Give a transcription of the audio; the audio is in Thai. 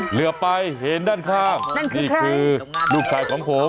เหลือไปเห็นด้านข้างนี่คือลูกชายของผม